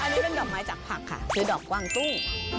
อันนี้เป็นดอกไม้จากผักค่ะคือดอกกว้างตุ้ง